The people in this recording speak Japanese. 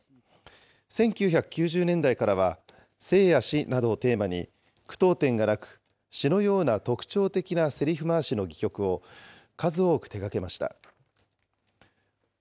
１９９０年代からは生や死などをテーマに、句読点がなく、詩のような特徴的なせりふ回しの戯曲を、数多く手がけました。